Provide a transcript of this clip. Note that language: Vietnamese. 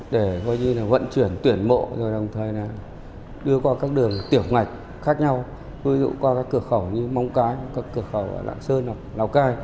để vận chuyển tuyển mộ đưa qua các đường tiểu ngạch khác nhau ví dụ qua các cửa khẩu như mông cái lạng sơn lào cai